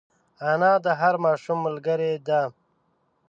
انا د هر ماشوم ملګرې ده